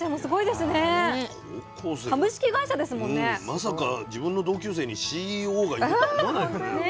まさか自分の同級生にＣＥＯがいるとは思わないよね。